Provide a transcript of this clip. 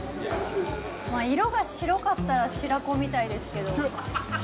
まあ色が白かったら白子みたいですけど。